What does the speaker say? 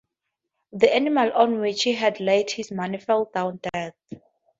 The animal on which he had laid his money fell down dead.